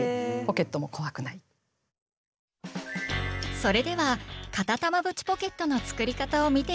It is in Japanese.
それでは片玉縁ポケットの作り方を見ていきましょう！